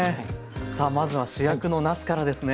さあまずは主役のなすからですね。